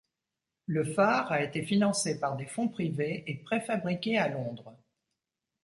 Le phare a été financé par des fonds privés et préfabriqué à Londres.